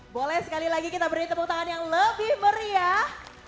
boleh sekali lagi kita beri tepuk tangan yang lebih meriah